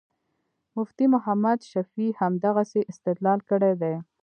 مفتي محمد شفیع همدغسې استدلال کړی دی.